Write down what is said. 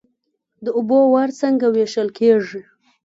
د اوبو وار څنګه ویشل کیږي؟